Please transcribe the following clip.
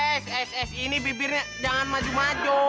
eh eh eh ini bibirnya jangan maju maju